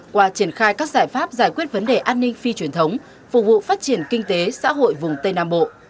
qua triển khai các giải pháp giải quyết vấn đề an ninh phi truyền thống phục vụ phát triển kinh tế xã hội vùng tây nam bộ